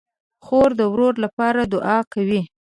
خور د ورور لپاره دعا کوي.